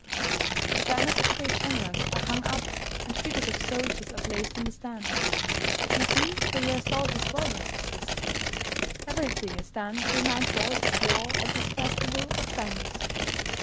The banners of great generals are hung up, and figures of soldiers are placed on the stand. You see Toyo has dolls as well as his sister. Everything is done to remind boys of war at this Festival of Banners.